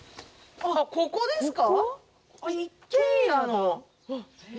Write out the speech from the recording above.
あっここですか？